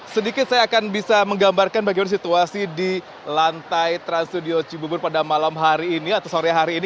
sedikit saya akan bisa menggambarkan bagaimana situasi di lantai trans studio cibubur pada malam hari ini atau sore hari ini